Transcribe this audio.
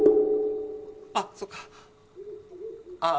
あっそっかああ